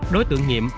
đối tượng nhiệm